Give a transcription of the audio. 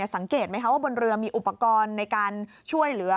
สังเกตไหมคะว่าบนเรือมีอุปกรณ์ในการช่วยเหลือ